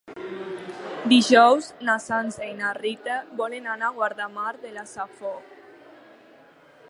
Dijous na Sança i na Rita volen anar a Guardamar de la Safor.